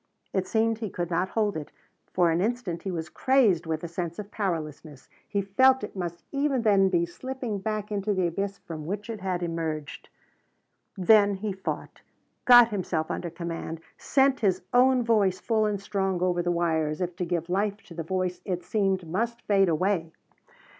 It seemed he could not hold it. For an instant he was crazed with the sense of powerlessness. He felt it must even then be slipping back into the abyss from which it had emerged. Then he fought. Got himself under command; sent his own voice full and strong over the wire as if to give life to the voice it seemed must fade away.